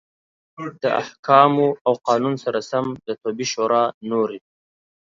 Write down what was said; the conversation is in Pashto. د احکامو او قانون سره سم د طبي شورا نورې